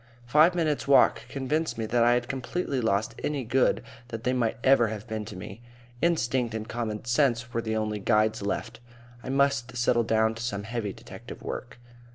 Five minutes' walk convinced me that I had completely lost any good that they might ever have been to me. Instinct and common sense were the only guides left. I must settle down to some heavy detective work.